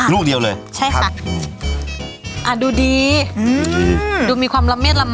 ลูกเดียวเลยใช่ค่ะอ่าดูดีอืมดูมีความละเม็ดละม